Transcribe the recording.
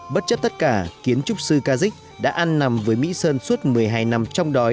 bất chấp tất cả kiến trúc sư kazik đã ăn nằm với mỹ sơn suốt một mươi hai năm trong đói